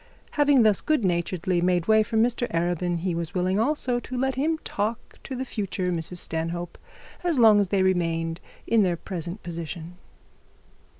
Having thus good naturedly made way for Mr Arabin, he was willing also to let him talk to the future Mrs Stanhope as long as they remained in their present position.